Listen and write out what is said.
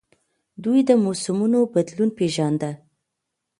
دوی د موسمونو بدلون پیژانده